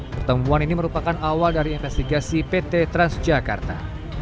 pertemuan ini merupakan awal dari investigasi pt transjakarta